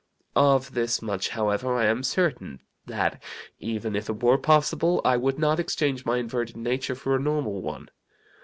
Of this much, however, I am certain, that, even, if it were possible, I would not exchange my inverted nature for a normal one.